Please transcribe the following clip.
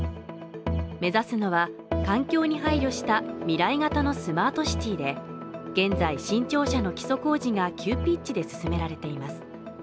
目指すのは、環境に配慮した未来型のスマートシティで現在新庁舎の基礎工事が急ピッチで進められています。